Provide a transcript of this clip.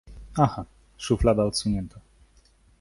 Aha, szuflada odsunięta.